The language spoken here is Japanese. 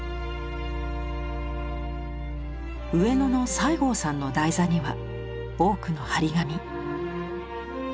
「上野の西郷さん」の台座には多くの貼り紙。